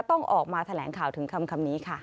ต้องออกมาแถลงข่าวถึงคำนี้ค่ะ